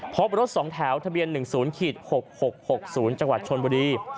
พบรถ๒แถวทะเบียน๑๐๖๖๖๐จังหวัดชนบุรี